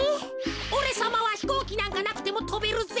おれさまはひこうきなんかなくてもとべるぜ。